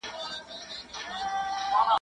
o تر خيښ، ځان را پېش.